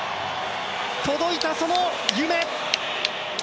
届いたその夢。